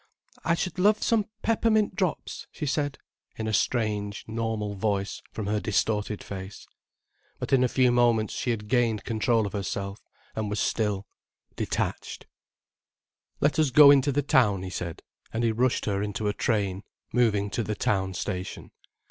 "I should love some peppermint drops," she said, in a strange, normal voice, from her distorted face. But in a few moments she had gained control of herself, and was still, detached. "Let us go into the town," he said, and he rushed her into a train, moving to the town station.